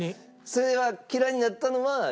それは嫌いになったのはやっぱり。